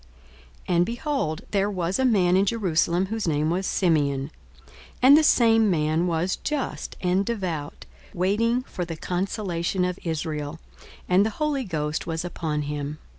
42:002:025 And, behold, there was a man in Jerusalem, whose name was Simeon; and the same man was just and devout, waiting for the consolation of Israel: and the Holy Ghost was upon him.